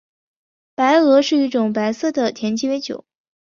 白俄是一种白色的甜鸡尾酒。